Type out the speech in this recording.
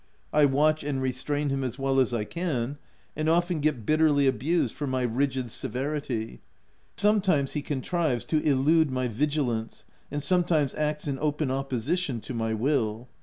I watch and restrain him as well as I can, and often get bitterly abused for my rigid seve rity ; and sometimes he contrives to illude my vigilance 5 and sometimes acts in open opposi tion to my will.